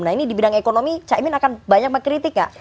nah ini di bidang ekonomi caimin akan banyak mengkritik nggak